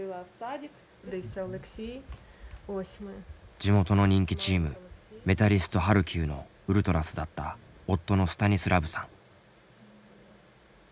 地元の人気チームメタリスト・ハルキウのウルトラスだった夫のスタニスラヴさん。